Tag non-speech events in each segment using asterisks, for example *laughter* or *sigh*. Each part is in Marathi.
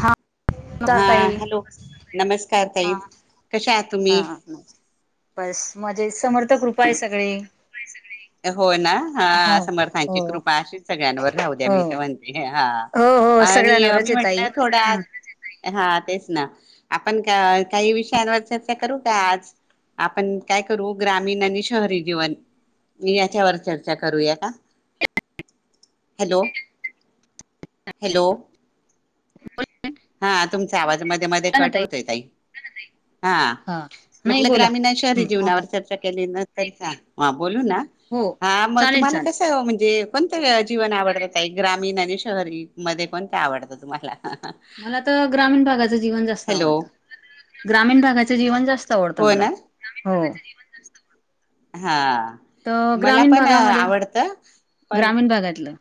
हा हा ताई हॅलो नमस्कार ताई हा कशा आहात तुम्ही हा बस मजेत समर्थ कृपा आहे सगळी हो ना हा समर्थांची कृपा अशीच सगळ्यांवर राहू द्या हो मी तर म्हणते हा हो हो आणि सगळ्या नवरच मी आहे ताई म्हटलं थोड आ ह हा तेच ना आपण का काही विषयांवर चर्चा करू का आज आपण काय करू ग्रामीण आणि शहरी जीवन मी याच्यावर चर्चा करूया का हॅलो हॅलो हा तुमचा आवाज मधे मधे बोला ना कट होतोय ताई हा नाही म्हटलं बोला ग्रामीण शहरी हम्म आता जीवनावर चर्चा केली न तरी चाल *unintelligible* बोलू ना हो हा म चालेल तुम्हाला चालेल कसं म्हणजे कोणत जीवन आवडत ताई ग्रामीण आणि शहरी मधे कोणत आवडतं तुम्हाला मला तर ग्रामीण भागाचं जीवन जास्त हॅलो आवडतं ग्रामीण भागाच जीवन जा स्त आवडत हो मला ना हो हा तर मला ग्रामीण पण भागामध्ये आवडतं पण ग्रामीण भागातलं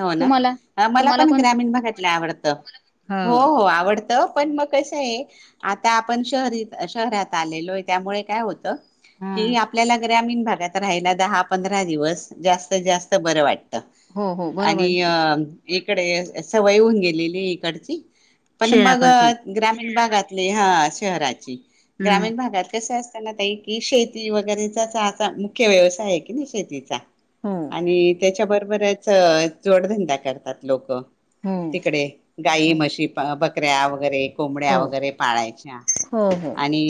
हो ना तुम्हाला मला तुम्हाला पण कोणतं ग्रामीण भागातल आवडत ह हो हो आवडत पण मग कसंये आता आपण शहरी शहरात आलेलोय त्यामुळे काय होतं ह कि आपल्याला ग्रामीण भागात राहायला दहा पंधरा दिवस जास्तीत जास्त बरं वाटत हो हो आणि बरोबर अ इकडे सवय होऊन गेलेली इकडची पण मग शहराकडचे ग्रामीण भागातले हा शहराची हम्म ग्रामीण भागात कस अस ना की ताई शेती वगैरेचाच मुख्य व्यवसाय आहे कि नाही शेतीचा हो आणि त्याच्याबरोबरच जोडधंदा करतात लोकं हो तिकडे गाई हो म्हशी बकऱ्या वगरे कोंबड्या हो वगैरे पाळायच्या हो हो आणि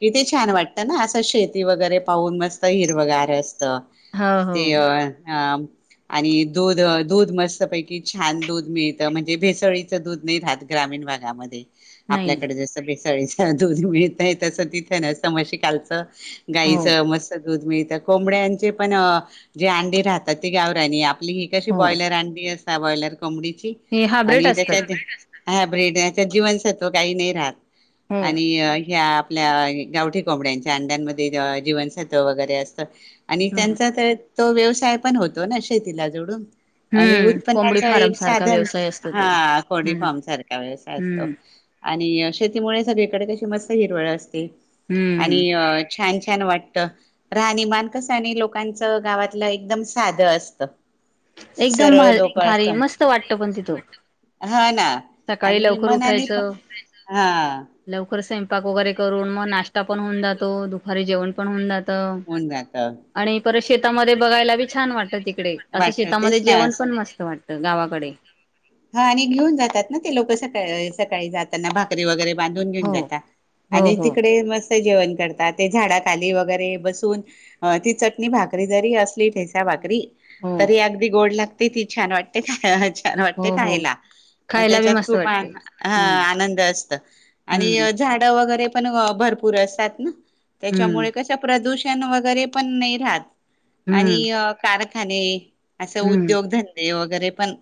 किती छान वाटतं ना असं शेती वगैरे पाहून मस्त हिरवं गार अस हो हो ते अ आ आणि दूध आ दूध मस्तपैकी छान दूध मिळतं म्हणजे भेसळीचं दूध नाही राहत ग्रामीण भागामध्ये नाही नाही आपल्याकडे जसं भेसळीच दूध मिळतय तसं तिथं नसतं म्हशी खालच. *unintelligible* हो गाईचं मस *unintelligible* दूध मिळतं कोंबड्यांचे पण जे अंडे राहतात ते गावरानी आपली ही कशी हो बॉयलर अंडी असता बॉयलर कोंबडीची हे हायब्रेट आणि असतात त्याच्यात हायब्रीड याच्यात जीवनसत्व काही नाही राहत हो आणि ह्या आपल्या गावठी कोंबड्यांच्या अंड्यांमध्ये जीवनसत्त्व वगैरे असतं आणि हम्म त्यांचा तर तो व्यवसाय पण होतो ना शेतीला जोडून आणि हम्म कोंबडी उत्पन्नाचं फार्म एक सारखा साधन व्यवसाय असतो हा तो हम्म पोल्ट्रीफार्म सारखा व्यवसाय असतो हम्म आणि अ शेतीमुळे सगळीकडे कशी मस्त हिरवळ असते आणि हम्म अ छान न वाटतं राहणीमान कसं आणि लोकांचं गावातल्या एकदम साधं असत. एकदम सरळ लोक भ भारी मस्त वाटत पण तिथं हा ना सकाळी आणि लवकर मनाने पण उठायचं हा लव कर स्वयंपाक वगैरे करून म नाश्ता पण होऊन जातो दुपारी जेवण पण होऊन जातं. होऊन जातं आणि परत शेतामध्ये बघायला बी छान वाटत तिकडे असं वाटत तेच शेतामध्ये ना जेवण पण मस्त वाटतं गावा कडे हा आणि घेऊन जातात ना ते लोक सका सकाळी जाताना भाकरी वगैरे बांधून घेऊन हो जातात हो आणि हो तिकडे मस्त जेवण करतात ते झाडा खाली वगैरे बसून अ ती चटणी भाकरी जरी असली ठेचा भाकरी हो तरी अगदी गोड लाग ती. तती छान वाटते.. का अच्छा ते हो हो खायला खायला बी त्याच्यात मस्त खूप वाटते ह हम्म आनंद असत हम्म आणि झाड वगैरे पण भरपूर असतात ना हम्म त्याच्यामुळे कस प्रदूषण वगैरे पण नाही राहत. हम्म आणि कारखाने असं हम्म उद्योगधंदे वगैरे पण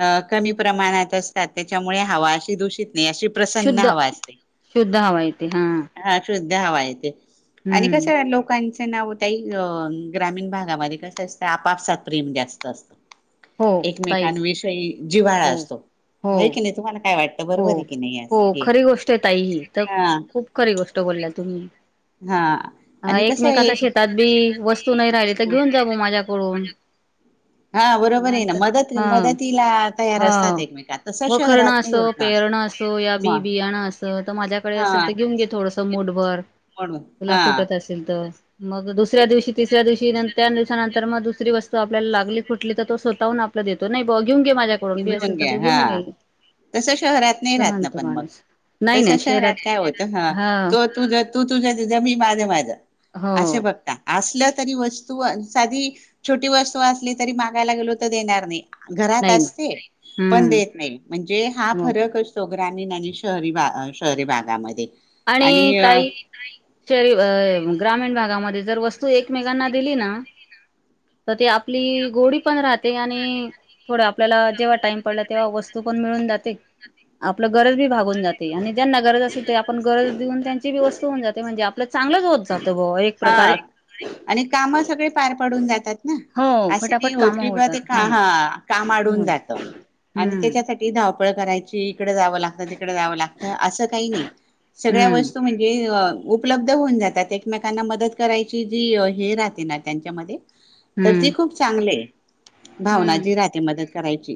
अ कमी प्रमाणात असतात, त्याच्यामुळे हवा अशी दूषित नाही. अशी प्रसन्न शुद्ध हवा असते. शुद्ध हवा येते हा ह शुद्ध हवा येते आणि हम्म कसं लोकांच नाव त्याही ग्रामीण भागामध्ये कस असत आपापसात प्रेम जास्त असतं. हो ताई एकमेकांविषयी जिव्हाळा हो असतो, हो आहे की नाही तुम्हाला? काय वाटतं हो बरोबर आहे की नाही आज हो हे खरी गोष्ट आहे ताई. ही तर हा खूप खरी गोष्ट बोलल्या तुम्ही. हा. हा आणि कसं एकमेकाता एक शेतात बी वस्तू नाही राहिली तर घेऊन जाऊ माझ्याकडून हा बरोबर आहे ना. नंतर मदत हा मदतीला तयार हा असतात एकमेका तसं शहरात वखरणं नाही असो होत. ना पेरणं असो या बी मग बियाणं असं, तर माझ्याकडे हा असेल तर घेऊन घे थोडंसं मुठभर. म्हणून तुला हा खुटत असेल तर मग दुसऱ्या एक दिवशी, तिसऱ्या दिवशी त्या दिवसानंतर तर मग दुसरी वस्तू आपल्याला लागली कुठली तर तो स्वतःहून आपला देतो नाही ब घेऊन घे माझ्याकडून बी घेऊन असेल तर घ्या तू घेऊन हा घे तस शहरात नाही असं राहत ना म्हणतो पण मग माणूस नाही तस ना शहरात काय होतं, हा तो तुझ तू तुझ्या तुझ्या मी माझं माझं. हो असे बघता आ तरी वस्तू साधी छोटी वस्तू असली तरी मागायला गेलो तर देणार नाही? घरात नाही ना असते पण हम्म देत नाही म्हणजे हा मग फरक असतो ग्रामीण आणि शहरी भा शहरी भागामध्ये. आणि ताई शहरी अ ग्रामीण भागामध्ये जर वस्तू एकमेकांना दिली ना तर त आपली गोडी पण राह आणि थोड आपल्याला जेव्हा टाइम पडला तेव्हा वस्तू पण मिळून जाते. आपलं गरज बी भागून जाते आणि ज्यांना गरज असेल ते आपण गरज देऊन त्यांची व्यवस्था होऊन जाते म्हणजे आपलं चांगलंच होत जातं बुवा एक प्रकारे हा आणि काम सगळे पार पडून जातात ना. हो असं नाही फटाफट कामं होती बि ते होतात हा का काम आडून हम्म जात. आणि हम्म त्याच्यासाठी धावपळ करायची इकड जावं लागतं तिकडे जावं लागतं असं काही नाही. सगळ्या वस्तू म्हणजे उपलब्ध होऊन जातात त्या त्यांना मदत करायची जी हे राहते ना त्यांच्यामध्ये तर त हम्म खूप चांगली आहे. हम्म भावनाची राहते मदत करायची,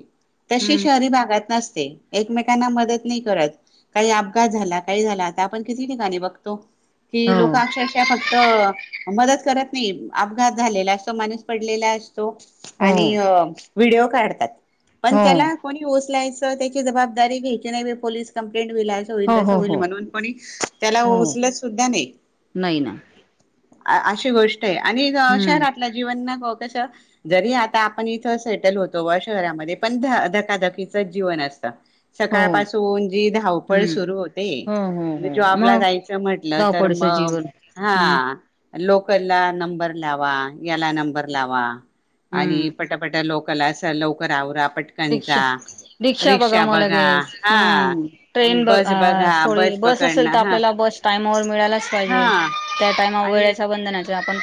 तशी हम्म शहरी भागात नस एकमेकांना मदत नाही करत, काही अपघात झाला काही झाला आपण किती ठिकाणी बघतो की लोक हम्म अक्षरशः फक्त मदत करत नाही. अपघात झालेला असतो माणूस पडलेला अस तो हो आणि व्हडिओ काढतात पण हो हो त्याला कोणी उचलायचं त्याची जबाबदारी घ्यायची नाही. पोलीस कं हेंड होईल हो तस हो होईल हो म्हणून प त्याला हो उचलत सुद्धा नाही. नाही ना अ अशी गोष्ट आहे आणि हम्म शहरातल्या जीवन ना कस जरी आता आपण इथं सेटल होतो व शहरामध्ये पण ध धकाधकीचच जीवन असतं. हो सकाळ पाासून जी धावपळ हम्म सुरू होते. हो हो हो जॉबला मग जायचं म्हटलं तर धावपळीचं मग जीवन हा हम्म लोकल ला नंबर लावा याला नंबर लावा. आणि हम्म पटापटा लोकला अस लवकर आवर रिक्षा रिक्षा बघा म लगे ह ट्रेन बघ बस बघा थोडी बस असेल पकडणं तर हा आपल्याला बस टायमावर मिळायलाच पाहिजेल. हा आणि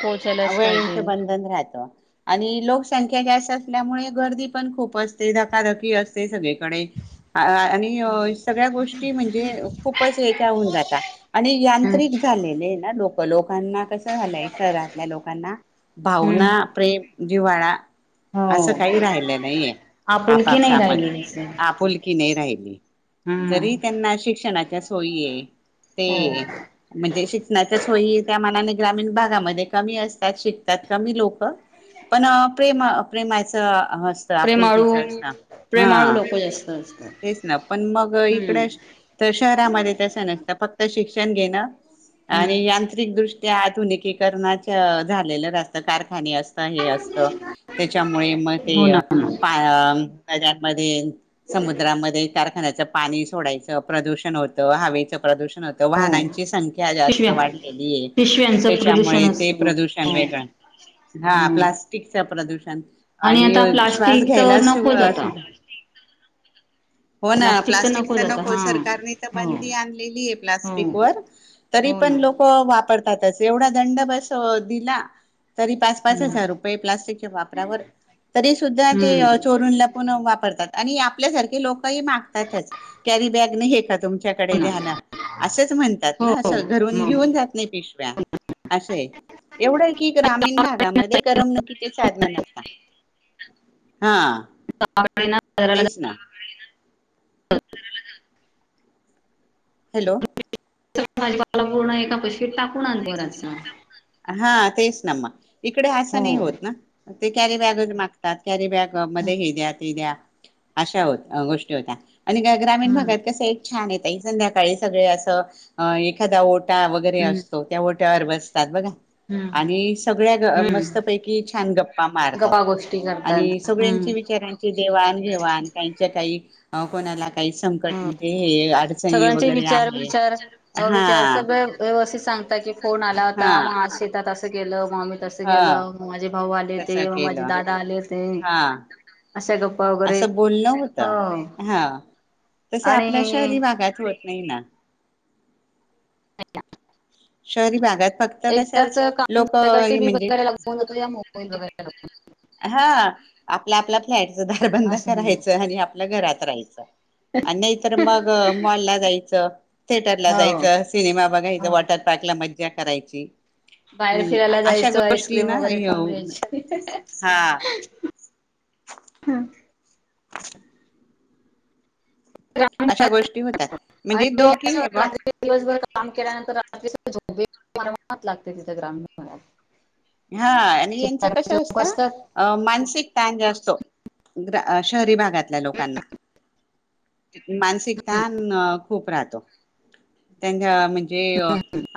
पोहोचायलाच वेळेच पाहिजे बंधन राहत आणि लोकसंख्या गॅस असल्यामुळे गर्दी पण खूप असते धकाधकी असते सगळीकडे आणि सगळ्या गोष्टी म्हणजे खूपच याच्या होन जातात आणि हम् यांत्रिक झालेले ना लोक. लोकांना कसं झालंय शहरातल्या लोकांना हम्म भावना प्रेम जिव्हाळा असं हो काही राहिलं नाहीये. आपुलकी नाही आपापसामज राहिली असं आपुलकी नाही राहिली हम्म जरी त्यांना शिक्षणाची सोय हो ते म्हणजे शणा हो त्या मनाने ग्रामीण भागामध्ये कमी असतात, शिकतात कमी लोक पण प्रेम प्रेमाचं असतं आपुलकीच प्रेमाळू असत प्रेमाळू हा. लोक जास्त असतात तेच ना पण मग हम्म इकडे तर शहरामध्ये तस नसत, फक्त शिक्ष शिक्षण घेणं, आणि हम्म यांत्रिकदृष्ट्या आधुनिक करण्याचा झालेलं राहत. सार असत हे असत त्याच्यामुळे मग हे हो ना हो ना पा नदांमध्ये, समुद्रामध्ये, कारखान्याच पाणी सोडायचं प्रदूषण होतं हवेचं. प्रदूषण होतं हो वाहनांची संख्या जास्त त पिशव्या वाढलेले पिशव्यांचं प्रदूषण त्याच्यामुळे ते असतं हो प्रदूषण वेगळं हा हो प्लॅस्टिकचा वापर. प्रदूषण आता आणि श्वास प्लास्टिक तर घ्यायला नकोच आता शिद्धा. *unintelligible* हो ना! प्लास्टिक तर प्लास्टिकच नकोच आता नको हा सरकारने तर हो बंदी आणलेली आहे हो प्लास्टिक व तरी, हो ना पण लोक वापरतातच एवढा दंड बस दिला तरी पाच पाच हजार रुपये प्लास्टिकच्या वापरावर तरी सुद्धा ते हम्म चोरून लपून वापरतात. आणि आपल्यासारखे लोकही मागतातच कॅरी बॅग नाही हे कर. तूमच्या कडे द्या ना असंच हो म्हणातना हो घरून मग घेऊन जात नाही पव्या. आहे. एवढं की ग्रामीण भागामध्ये करमणुकीचे साधन नस हा! तेच ना *inaudible* हॅलो माझी बाला पूर्ण एका कशीवी टाकून अनभरचा. हा तेच ना मग. इकडे असं नाही होत ना, ते कॅरी बॅगच ना मागतात कॅरी बॅग मध्ये हे द्या त ते द्या. अशा हो गोष्टी होत्या आणि ग्रामीण हम्म भागात कस आहे. छान येत संध्याकाळी सगळे असं अ एखादा ओटा वगैरे हम्म असतो त्या ओट्यावर बसतो. हम्म आणि सगळ्या ग हम्म मस्तपैकी छान गप्पा मारतात. गप्पा गोष्टी आणि करतात हम्म सगळ्यांची विचारांची देवाण घेवाण काहीच्या काही कोणाला काही संकट हम्म म्हणजे हे अडचणी सगळ्यांचे वगैरे विचार आहे, विचार अ विचार हा. सगळे व्यवस्थित सांगता की फोन आला हा होता, मग शेतात असं केल. म म तसं ह गेलं माझे भाऊ आले ते, तसं म माझे केलं दादा आले हो ते, हा असं बोलणं होत, हो हा. तसे आणि आपल्या शहरी भागात होत नाही ना? ह. शहरी भागात फक्त कशा एकदाच काम लोक झालं का हे टीव्ही म्हणजे, बघायला लागून जातो या मोबाईल बघायला हा आपल्या आपल्या फ्लॅटच लागून दारबंद असं होऊन करायचं जातं. आणि आपल्या घरात हायच आणि नाहीतर मग मॉल ला जायचं. थिएटरला हो जायचं, सिनेमा बघायचं हो वॉटर. पार्कला मज्जा करायची. बाहेर हम् फिरायला अशा जायचं गोष्टी आईस्क्रीम ना वगैरे खाऊन घ्यायची. हा. *unintelligible* अशा गोष्टी होतात म्हणजे आणित्री दोघी आहे बा दिवसभर काम केल्यानंतरात्री परमाणात लागते तिथं ग्रामीण भागात हा आणि यांचं कस शेतकऱ्याचे लोक असत असतात अ मानसिक ताण जास्त ज असतो शहरी भागातल्या लोकांना. मानसिक ताण खुप राहतो त्यांच्या म्हणजे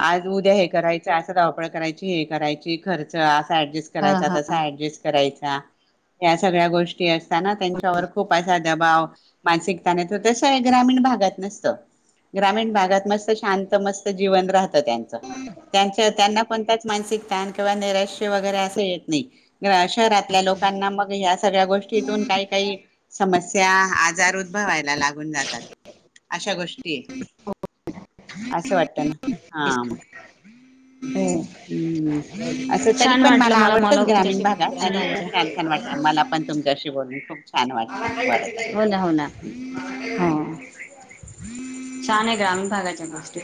आज उद्या हे करायच असं धावपळ करायची हे करायची खर्च असं एडजस्ट हा करायचा, हा. तसा ऍडजस्ट करायचा या, सगळ्या गोष्टी अस त्यांच्यावर खुप असा दबाव मानसिक ताण येतो, तसं हे ग्रामीण भागात नसतं. ग्रामीण भागात मस्त शांत, मस्त जीवन राहत त्यांचं. त्यांच्या त्यांना कोणताच मानसिक ताण किंवा नैराश्य वगैरे असं येत नाही. ग शहरातल्या लोकांना मग ह्या सगळ्या गोष्टीतुन काही काही समस्या आजार उद्भवायला लागुन जातात अशा गोष्टी असं वाटतं ना हा हो हम्म असं तरी छान पण वाटलं मला आवडतंच ग्रामीण तुमच्याशी बोलून भागात ग्रामीण आणि छान भागाच्या छान वाटलं मला पण तुमच्याशी बोलून. खुप छान वाटलं बर हो ना हो ना ताई हो छान आहे ग्रामीण भागाच्या गोष्टी